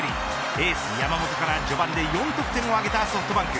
エース山本から序盤で４得点を挙げたソフトバンク。